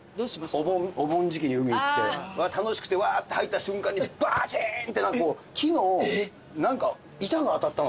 お盆時期に海行って楽しくてワーって入った瞬間にバチーンって木の板が当たったのかと思った。